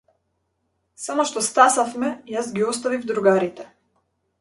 Само што стасавме јас ги оставив другарите.